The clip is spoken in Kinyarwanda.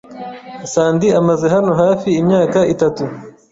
Sandy amaze hano hafi imyaka itatu.